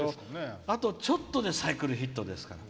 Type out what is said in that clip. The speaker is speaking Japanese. あと、ちょっとでサイクルヒットですから。